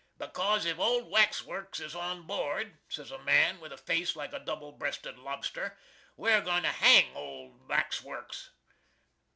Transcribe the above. "Becawz if Old Wax Works is on bored," sez a man with a face like a double breasted lobster, "we're going to hang Old Wax Works!"